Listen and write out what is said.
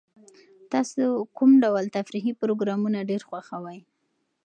تاسو کوم ډول تفریحي پروګرامونه ډېر خوښوئ؟